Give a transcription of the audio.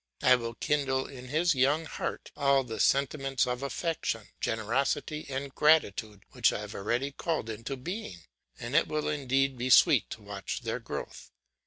I will kindle in his young heart all the sentiments of affection, generosity, and gratitude which I have already called into being, and it will indeed be sweet to watch their growth.